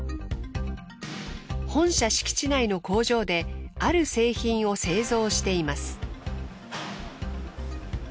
本社敷地内の工場である製品を製造しています。